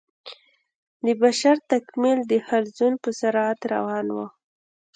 د بشر تکامل د حلزون په سرعت روان و.